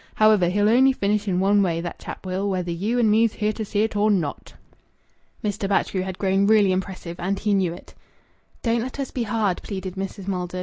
However, he'll only finish in one way, that chap will, whether you and me's here to see it or not." Mr. Batchgrew had grown really impressive, and he knew it. "Don't let us be hard," pleaded Mrs. Maldon.